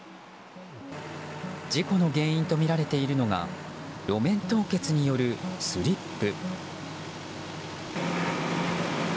事故の原因とみられているのが路面凍結によるスリップ。